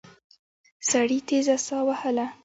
سړي تېزه ساه وهله.